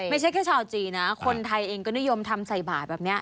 ไม่ใช่แค่ชาวจีนนะคนไทยเองก็นิยมทำใส่บาทแบบนี้